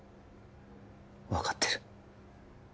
分かってる